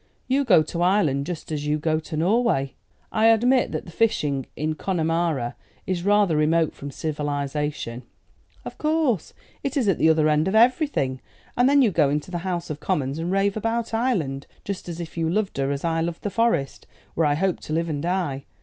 You go to Ireland just as you go to Norway." "I admit that the fishing in Connemara is rather remote from civilisation " "Of course. It is at the other end of everything. And then you go into the House of Commons, and rave about Ireland, just as if you loved her as I love the Forest, where I hope to live and die.